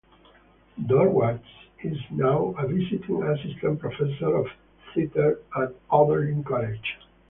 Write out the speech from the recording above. Dorwart is now a Visiting Assistant Professor of Theater at Oberlin College.